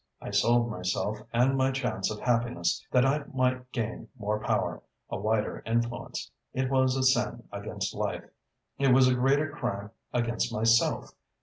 I sold myself and my chance of happiness that I might gain more power, a wider influence. It was a sin against life. It was a greater crime against myself.